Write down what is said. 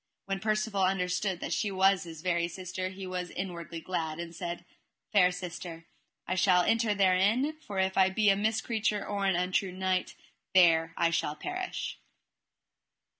When Percivale understood that she was his very sister he was inwardly glad, and said: Fair sister, I shall enter therein, for if I be a miscreature or an untrue knight there shall I perish.